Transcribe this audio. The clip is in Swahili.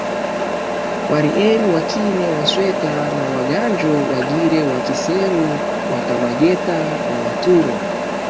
Warieri Wakine Wasweta na Waganjo Wagire Wakiseru Wakamageta na Waturi